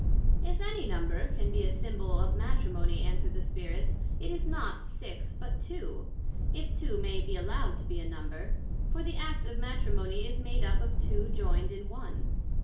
If any number can be a symbole of Matrimony, answered the Spirits, it is not Six, but Two; if two may be allowed to be a Number: for the act of Matrimony is made up of two joined in one.